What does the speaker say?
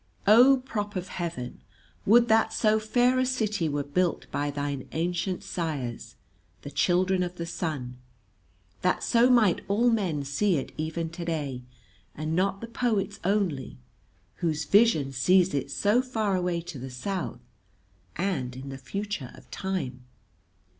O Prop of Heaven, would that so fair a city were built by thine ancient sires, the children of the sun, that so might all men see it even today, and not the poets only, whose vision sees it so far away to the South and in the future of time.